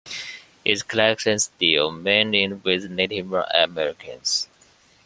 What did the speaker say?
Its collections deal mainly with Native Americans.